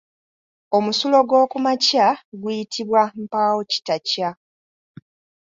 Omusulo gw'okumakya guyitibwa mpaawokitakya.